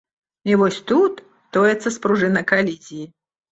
І вось тут тоіцца спружына калізіі.